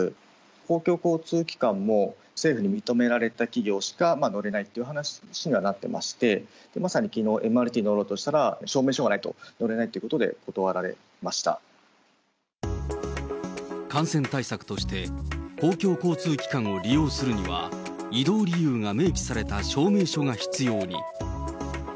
公共交通機関も、政府に認められた企業しか乗れないという話にはなってまして、まさにきのう、ＭＲＴに乗ろうとしたら、証明書がないと乗れないということで、感染対策として、公共交通機関を利用するには、移動理由が明記された証明書が必要に。